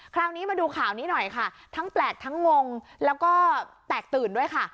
คราวนี้มาดูข่าวนี้หน่อยค่ะทั้งแปลกทั้งงงแล้วก็แตกตื่นด้วยค่ะ